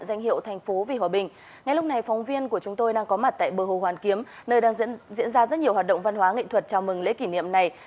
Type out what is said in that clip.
xin chào các bạn tôi đang có mặt tại bờ hồ nơi đang diễn ra các hoạt động nhân lễ kỷ niệm hai mươi năm